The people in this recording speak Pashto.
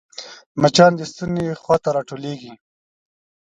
مچان د ستوني خوا ته راټولېږي